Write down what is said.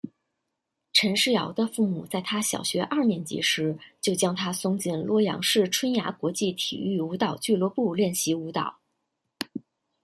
陈世瑶的父母在她小学二年级时就将她送进洛阳市春芽国际体育舞蹈俱乐部练习舞蹈。